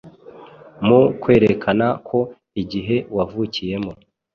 mu kwerekana ko igihe wavukiyemo